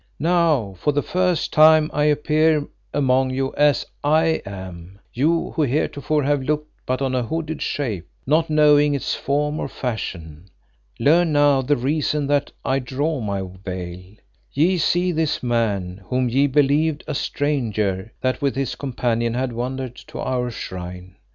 Now for the first time I appear among you as I am, you who heretofore have looked but on a hooded shape, not knowing its form or fashion. Learn now the reason that I draw my veil. Ye see this man, whom ye believed a stranger that with his companion had wandered to our shrine.